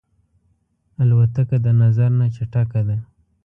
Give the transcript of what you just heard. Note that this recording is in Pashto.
الوتکه د نظر نه چټکه ده.